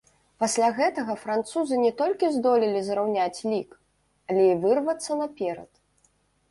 Пасля гэтага французы не толькі здолелі зраўняць лік, але і вырвацца наперад.